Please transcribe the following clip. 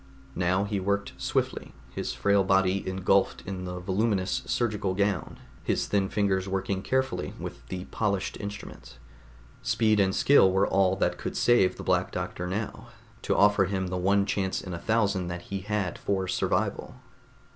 Now he worked swiftly, his frail body engulfed in the voluminous surgical gown, his thin fingers working carefully with the polished instruments. Speed and skill were all that could save the Black Doctor now, to offer him the one chance in a thousand that he had for survival.